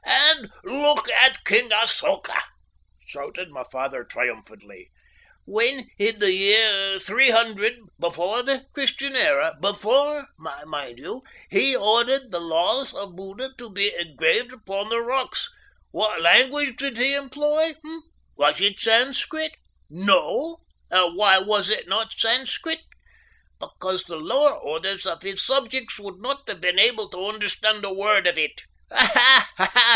"And look at King Asoka," shouted my father triumphantly. "When, in the year 300 before the Christian era before, mind you he ordered the laws of Buddha to be engraved upon the rocks, what language did he employ, eh? Was it Sanscrit? no! And why was it not Sanscrit? Because the lower orders of his subjects would not have been able to understand a word of it. Ha, ha!